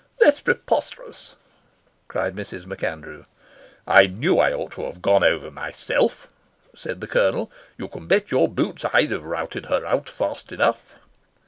"That's preposterous," cried Mrs. MacAndrew. "I knew I ought to have gone over myself," said the Colonel. "You can bet your boots I'd have routed her out fast enough."